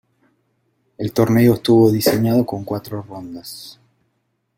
El torneo estuvo diseñado con cuatro rondas.